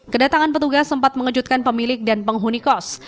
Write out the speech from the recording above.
kedatangan petugas sempat mengejutkan pemilik dan penghuni kos